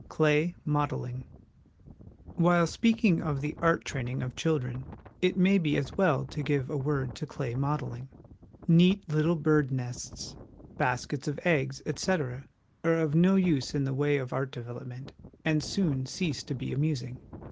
Clay modelling. While speaking of the art train HOME EDUCATION ing of children, it may be as well to give a word to clay modelling. Neat little birds' nests, baskets 'of eggs, etc., are of no use in the way of art development, and soon cease to be amusing.